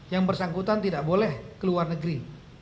yang bersangkutan tidak boleh ke luar negeri